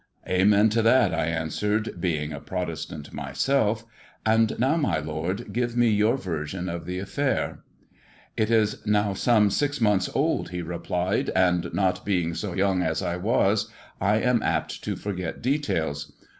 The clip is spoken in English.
" Amen to that," I answered, being a Protestant myself ; and now, my lord, give me your version of the affair." , It is now some six months old," he replied, "and not being so young as I was I am apt to forget details.